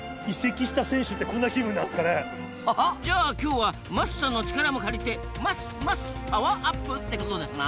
ハハッじゃあ今日は桝さんの力も借りて「ますます」パワーアップ！ってことですな。